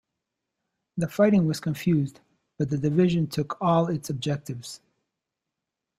The fighting was confused, but the division took all its objectives.